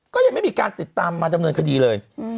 ก็ยังไม่มีการติดตามมาดำเนินคดีเลย